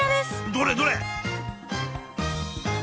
どれどれ？